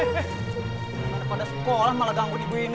kepada sekolah malah ganggu di gue ini